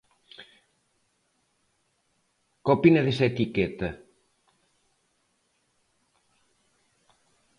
Que opina desa etiqueta?